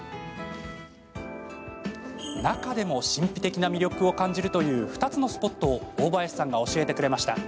中でも、神秘的な魅力を感じるという２つのスポットを大林さんが教えてくれました。